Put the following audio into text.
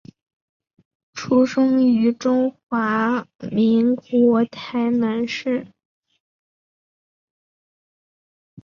出生于中华民国台南市。